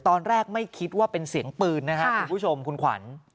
ตอนแรกไม่คิดว่าเป็นเสียงปืนนะครับคุณผู้ชมคุณขวัญ